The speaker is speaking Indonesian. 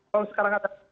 kalau sekarang ada